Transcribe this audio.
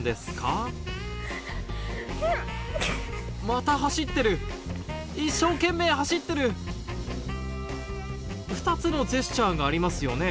また走ってる一生懸命走ってる２つのジェスチャーがありますよね？